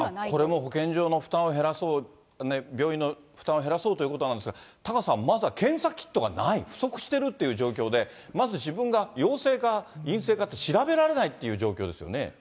これも保健所の負担を減らそう、病院の負担を減らそうということなんですが、タカさん、まずは検査キットがない、不足してるという状況で、まず自分が陽性か、陰性かって調べられないっていう状況ですよね。